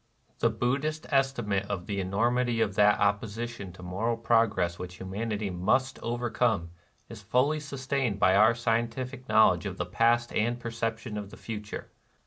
262 NIRVANA The Buddhist estimate of the enormity of that opposition to moral progress which hu manity must overcome is fully sustained by our scientific knowledge of the past and per ception of the future.